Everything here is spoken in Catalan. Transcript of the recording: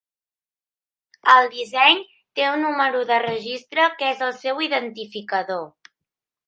El disseny té un número de registre que és el seu identificador.